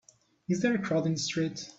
Is there a crowd in the street?